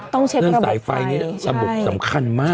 ต้องเช็คระบบไฟเรื่องสายไฟนี้ระบบสำคัญมาก